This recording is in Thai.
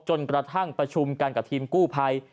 กระทั่งประชุมกันกับทีมกู้ภัย